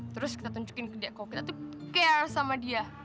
terus kita tunjukin ke dia kok kita tapi care sama dia